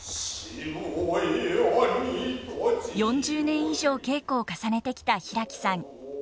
４０年以上稽古を重ねてきた平木さん。